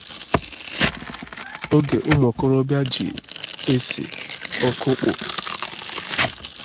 oge ụmụokorobịa ji esì ọkụkpụ